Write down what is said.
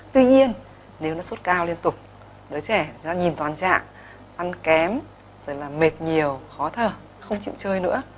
tuy nhiên nếu nó sốt cao liên tục đứa trẻ nó nhìn toàn trạng ăn kém rồi là mệt nhiều khó thở không chịu chơi nữa